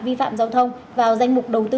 vi phạm giao thông vào danh mục đầu tư